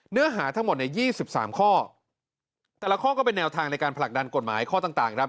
เนื้อหาทั้งหมดใน๒๓ข้อแต่ละข้อก็เป็นแนวทางในการผลักดันกฎหมายข้อต่างครับ